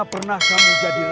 karena sampai di sekitar bush